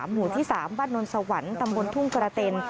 หมู่ที่๓บ้านนนสวรรค์ตำบลทุ่งกระเต็น